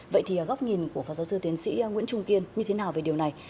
vậy thì góc nhìn của phó giáo sư tiến sĩ nguyễn trung kiên như thế nào về điều này